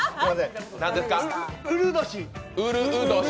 うるう年。